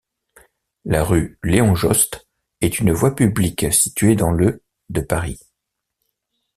La rue Léon-Jost est une voie publique située dans le de Paris.